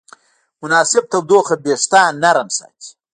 مناسب تودوخه وېښتيان نرم ساتي.